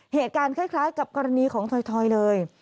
เหตุการณ์คล้ายกับกรณีของถอยเลย